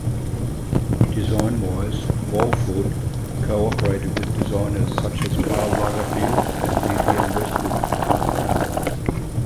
Design-wise, Wolford co-operated with designers such as Karl Lagerfeld and Vivienne Westwood.